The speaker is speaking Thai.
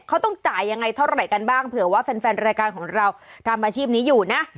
เขาต้องจ่ายยังไงเท่าไหร่กันบ้างเผื่อว่าแฟนรายการของเราทำอาชีพนี้อยู่นะ